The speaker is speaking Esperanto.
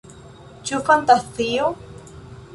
Ĉu fantazio?